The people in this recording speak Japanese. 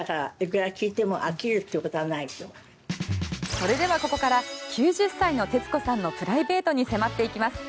それでは、ここから９０歳の徹子さんのプライベートに迫っていきます。